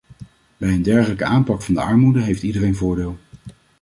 Bij een dergelijke aanpak van de armoede heeft iedereen voordeel.